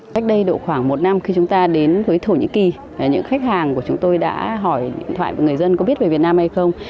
cách đây độ khoảng một năm khi chúng ta đến với thổ nhĩ kỳ những khách hàng của chúng tôi đã hỏi điện thoại của người dân có biết về việt nam hay không